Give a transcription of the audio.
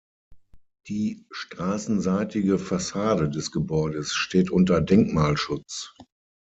Die straßenseitige Fassade des Gebäudes steht unter Denkmalschutz.